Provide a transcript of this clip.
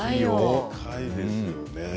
でかいですよね。